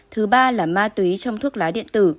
thứ ba là ma túy trong thuốc lá điện tử